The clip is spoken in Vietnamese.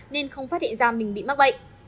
nên không phát hiện ra mình bị mắc bệnh